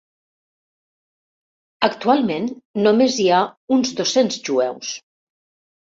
Actualment només hi ha uns dos-cents jueus.